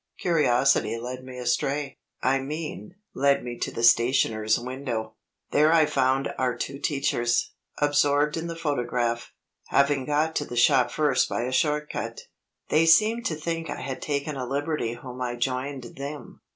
Curiosity led me astray I mean, led me to the stationer's window. There I found our two teachers, absorbed in the photograph; having got to the shop first by a short cut. They seemed to think I had taken a liberty whom I joined them.